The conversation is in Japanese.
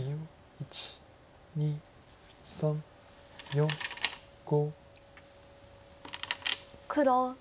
１２３４５。